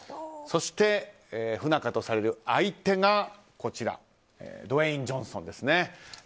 そして、不仲とされる相手がドウェイン・ジョンソンですね。